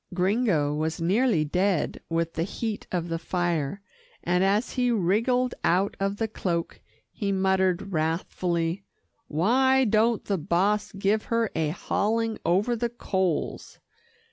Gringo was nearly dead with the heat of the fire, and as he wriggled out of the cloak, he muttered wrathfully, "Why don't the boss give her a hauling over the coals?